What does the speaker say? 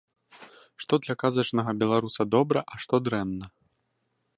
Што для казачнага беларуса добра, а што дрэнна?